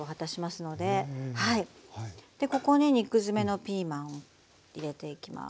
でここに肉詰めのピーマン入れていきます。